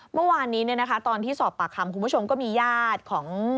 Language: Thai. เมื่อวานนี้ตอนที่สอบปากคำคุณผู้ชมก็มีญาติของ